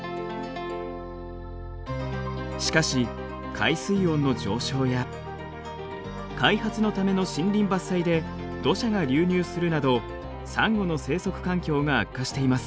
しかし海水温の上昇や開発のための森林伐採で土砂が流入するなどサンゴの生息環境が悪化しています。